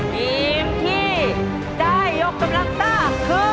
ทีมที่ได้ยกกำลังซ่าคือ